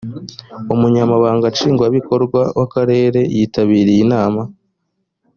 umunyamabanga nshingwabikorwa w’akarere yitabiriye inama